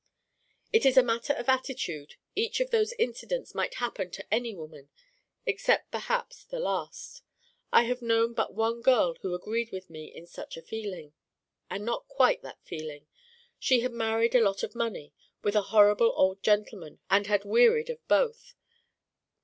It is a matter of attitude. Each of those incidents might happen to any woman except perhaps the last. I have known but one girl who agreed with me in such a feeling. And not quite that feeling. She had married a lot of money with a horrible old gentleman and had wearied of both.